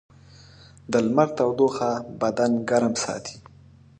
د لمر تودوخه بدن ګرم ساتي.